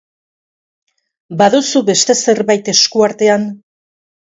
Baduzu beste zerbait esku artean?